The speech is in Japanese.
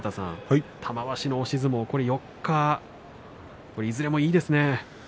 玉鷲の押し相撲、４日いずれもいいですね。